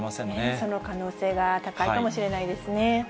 その可能性が高いかもしれないですね。